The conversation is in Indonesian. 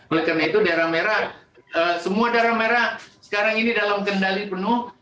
oleh karena itu daerah merah semua daerah merah sekarang ini dalam kendali penuh